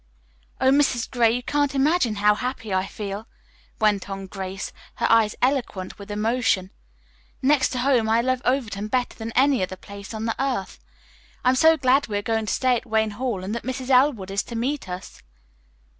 "Oh, Mrs. Gray, you can't imagine how happy I feel!" went on Grace, her eyes eloquent with emotion. "Next to home, I love Overton better than any other place on earth. I'm so glad we are going to stay at Wayne Hall, and that Mrs. Elwood is to meet us."